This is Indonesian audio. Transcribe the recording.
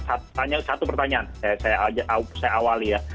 saya satu pertanyaan saya awal ya